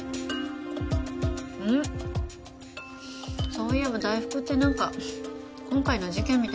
そういえば大福ってなんか今回の事件みたいですね。